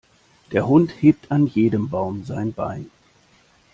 Der Hund hebt an jedem Baum sein Bein.